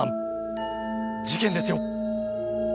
事件ですよ。